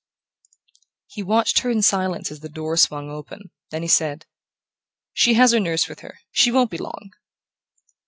He watched her in silence as the door swung open; then he said: "She has her nurse with her. She won't be long."